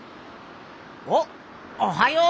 おっおはよう！